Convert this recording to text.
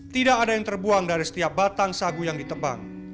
tidak ada yang terbuang dari setiap batang sagu yang ditebang